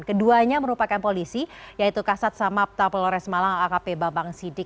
keduanya merupakan polisi yaitu kasat samapta polores malang akp babang sidik